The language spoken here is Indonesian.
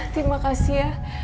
terima kasih ya